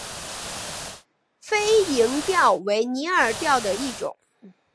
飞蝇钓为拟饵钓的一种。